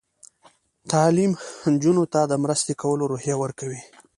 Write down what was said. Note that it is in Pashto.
تعلیم نجونو ته د مرستې کولو روحیه ورکوي.